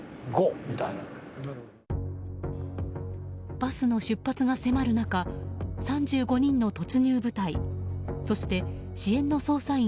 バスの出発が迫る中３５人の突入部隊そして、支援の捜査員